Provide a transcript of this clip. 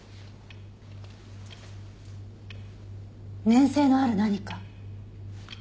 粘性のある何か。